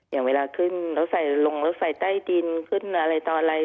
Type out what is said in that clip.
อย่างเวลาขึ้นรถใส่ลงรถใส่ใต้ดินขึ้นอะไรต่ออะไร